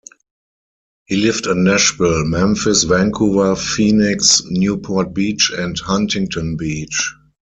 He lived in Nashville, Memphis, Vancouver, Phoenix, Newport Beach and Huntington Beach.